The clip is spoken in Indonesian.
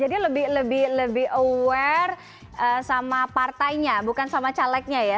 jadi lebih lebih aware sama partainya bukan sama calegnya ya